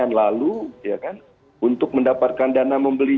dan lalu ya kan untuk mendapatkan dana membeli